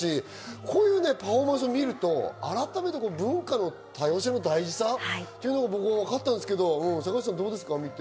こういうパフォーマンスを見ると、改めて文化の多様性の大事さというのが僕は分かったんですけど、坂口さん、どうですか？